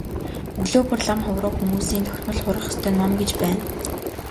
Өглөө бүр лам хувраг хүмүүсийн тогтмол хурах ёстой ном гэж байна.